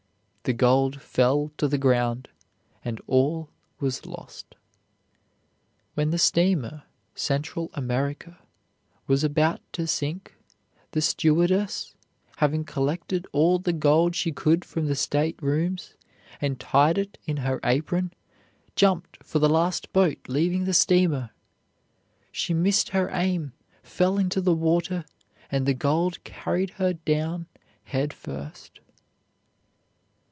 The gold fell to the ground, and all was lost. When the steamer Central America was about to sink, the stewardess, having collected all the gold she could from the staterooms, and tied it in her apron, jumped for the last boat leaving the steamer. She missed her aim, fell into the water and the gold carried her down head first.